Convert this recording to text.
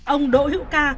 ông đỗ hiệu ca